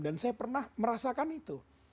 dan saya pernah merasakan itu